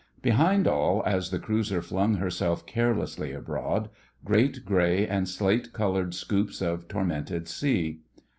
Behind all, as the cruiser flung herself carelessly abroad, great grey and slate coloured scoops of tormented sea.